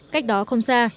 cách đó không xa